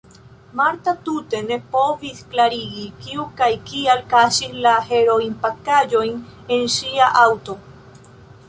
Marta tute ne povis klarigi, kiu kaj kial kaŝis la heroinpakaĵojn en ŝia aŭto.